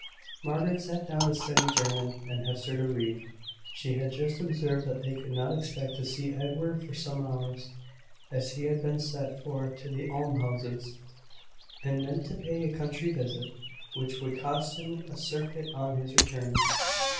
Margaret sat down to study German, and Hester to read. She had just observed that they could not expect to see Edward for some hours, as he had been sent for to the almshouses, and meant to pay a country visit which would cost him a circuit on his return.